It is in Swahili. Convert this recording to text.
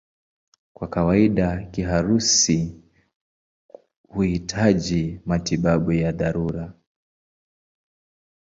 Kwa kawaida kiharusi huhitaji matibabu ya dharura.